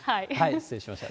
失礼しました。